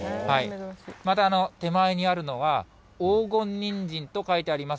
また手前にあるのは、黄金にんじんと書いてあります。